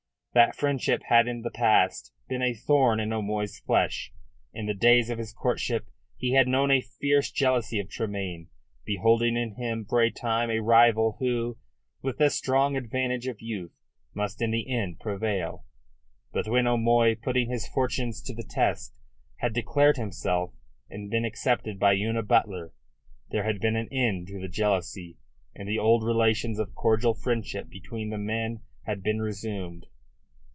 That friendship had in the past been a thorn in O'Moy's flesh. In the days of his courtship he had known a fierce jealousy of Tremayne, beholding in him for a time a rival who, with the strong advantage of youth, must in the end prevail. But when O'Moy, putting his fortunes to the test, had declared himself and been accepted by Una Butler, there had been an end to the jealousy, and the old relations of cordial friendship between the men had been resumed.